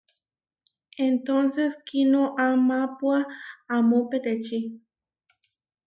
Entónces kinoamápua amó peteči.